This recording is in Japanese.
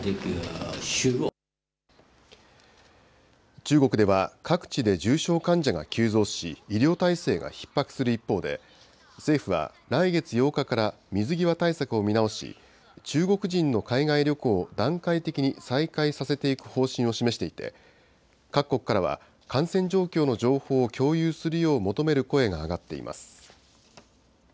中国では、各地で重症患者が急増し、医療体制がひっ迫する一方で、政府は来月８日から水際対策を見直し、中国人の海外旅行を段階的に再開させていく方針を示していて、各国からは感染状況の情報を共有するよう求める声が上がっています。